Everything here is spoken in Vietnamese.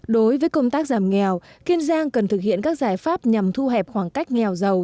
đối với công tác giảm nghèo kiên giang cần thực hiện các giải pháp nhằm thu hẹp khoảng cách nghèo giàu